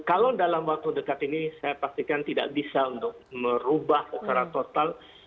kalau dalam waktu dekat ini saya pastikan tidak bisa untuk merubah secara total